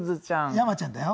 山ちゃんだよ。